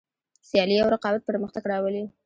سیالي او رقابت پرمختګ راولي.